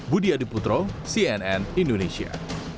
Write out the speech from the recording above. budi adiputro cnn indonesia